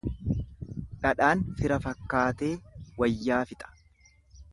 Dhadhaan fira fakkaatee wayyaa fixa.